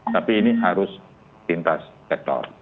tapi ini harus lintas sektor